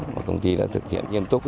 mà công ty đã thực hiện nghiêm túc